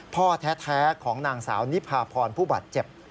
พ่อแท้ของนางสาวนิพาพรผู้บาดเจ็บ